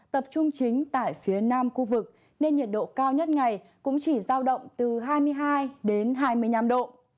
tập trung chính tại phía nam khu vực nên nhiệt độ cao nhất ngày cũng chỉ giao động từ hai mươi hai đến hai mươi năm độ